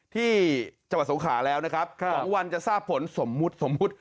ที่จังหวัดสูงขาแล้วของวันจะทราบผลสมมุติ